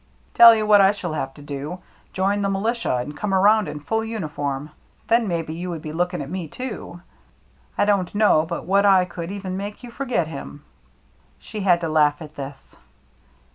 Tell you what I shall have to do — join the militia and come around in full uniform. Then AT THE HOUSE ON STILTS 83 maybe you would be looking at me, too. 1 don't know but what I could even make you forget him." She had to laugh at this.